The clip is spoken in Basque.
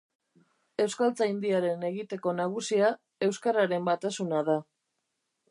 Euskaltzaindiaren egiteko nagusia euskararen batasuna da.